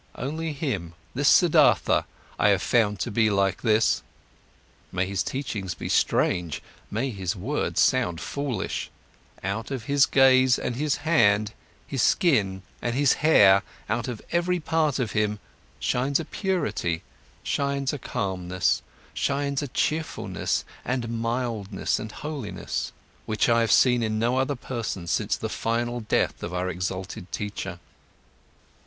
Only him, this Siddhartha, I have found to be like this. May his teachings be strange, may his words sound foolish; out of his gaze and his hand, his skin and his hair, out of every part of him shines a purity, shines a calmness, shines a cheerfulness and mildness and holiness, which I have seen in no other person since the final death of our exalted teacher.)